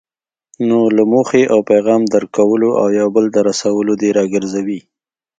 نو له موخې او پیغام درک کولو او یا بل ته رسولو دې راګرځوي.